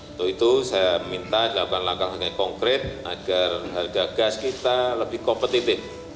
untuk itu saya minta dilakukan langkah langkah yang konkret agar harga gas kita lebih kompetitif